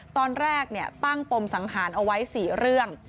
ตอนแรกตั้งปมสังหารเอาไว้๔เรื่อง